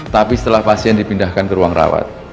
tapi setelah pasien dipindahkan ke ruang rawat